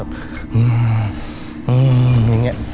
อื้ออย่างนี้